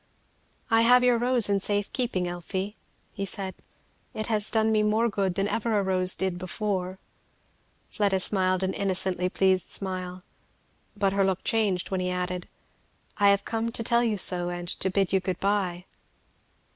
"I have your rose in safe keeping, Elfie," he said. "It has done me more good than ever a rose did before." Fleda smiled an innocently pleased smile. But her look changed when he added, "I have come to tell you so and to bid you good bye."